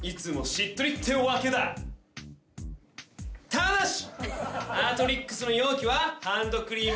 ただし。